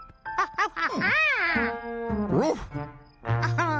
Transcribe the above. ハハハハ。